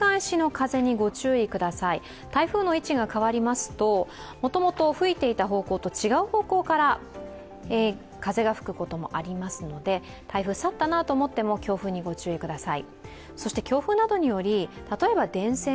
台風の位置が変わりますと、もともと吹いていた場所と違う位置から風が吹くこともありますので、台風が去ったなと思っても強風にご注意ください。